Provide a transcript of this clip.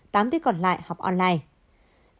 tám tiết còn lại học online